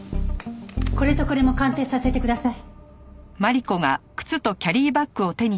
これとこれも鑑定させてください。